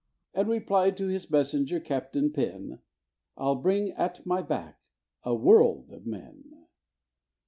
Then replied to his messenger Captain Pen, "I'll bring at my back a world of men."